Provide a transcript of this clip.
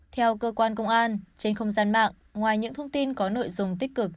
theo cơ quan công an trên không gian mạng ngoài những thông tin có nội dung tích cực